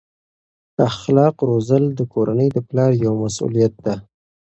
اخلاق روزل د کورنۍ د پلار یوه مسؤلیت ده.